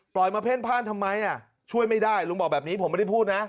มาเพ่นพ่านทำไมช่วยไม่ได้ลุงบอกแบบนี้ผมไม่ได้พูดนะ